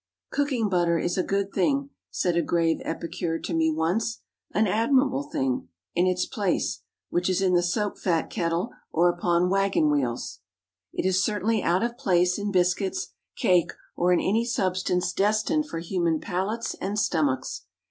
"Cooking butter is a good thing," said a grave epicure to me once, "an admirable thing—in its place, which is in the soap fat kettle or upon wagon wheels!" It is certainly out of place in biscuits, cake, or in any substance destined for human palates and stomachs.